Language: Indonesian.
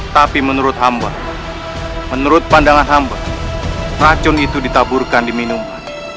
tapi menurut hamba menurut pandangan hamba racun itu ditaburkan di minuman